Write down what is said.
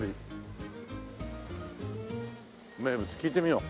名物聞いてみよう。